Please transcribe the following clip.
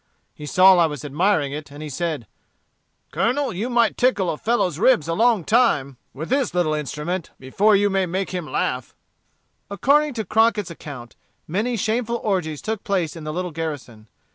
He saw I was admiring it, and said he, 'Colonel, you might tickle a fellow's ribs a long time with this little instrument before you'd make make him laugh.'" According to Crockett's account, many shameful orgies took place in the little garrison.